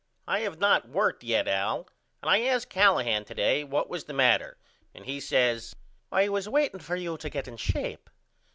I have not worked yet Al and I asked Callahan to day what was the matter and he says I was waiting for you to get in shape.